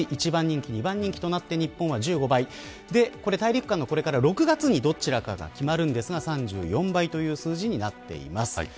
１番人気、２番人気になって日本は１５倍大陸間のこれから６月にどちらかが決まるんですが３４倍という数字になっています。